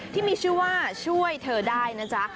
ที่มีชื่อว่าช่วยเธอได้นะจ๊ะ